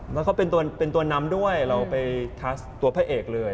แล้วก็เป็นตัวนำด้วยเราไปทัสตัวพระเอกเลย